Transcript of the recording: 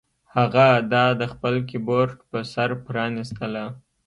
هغه دا د خپل کیبورډ په سر پرانیستله